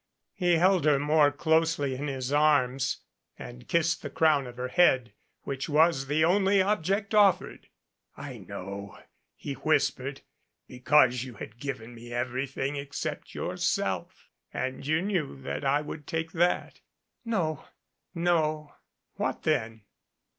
He held her more closely in his arms, and kissed the crown of her head, which was the only object offered. "I know," he whispered, "because you had given me everything except yourself and you knew that I would take that." "No, no." "What, then?"